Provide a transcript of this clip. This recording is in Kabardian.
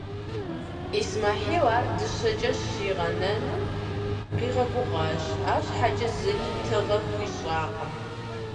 Исмэхьил ар дыщэкӀэ щӀигъэнэну къигъэгугъащ, арщхьэкӀэ зыри тыгъэ хуищӀакъым.